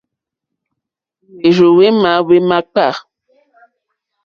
Hwérzù hwémá hwémǎkpâ.